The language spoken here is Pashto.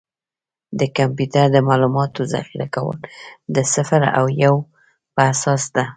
د کمپیوټر د معلوماتو ذخیره کول د صفر او یو په اساس ده.